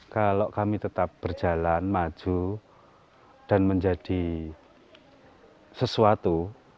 kalau kami tetap berjalan maju dan menjadi sesuatu